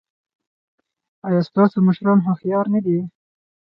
ایا ستاسو مشران هوښیار نه دي؟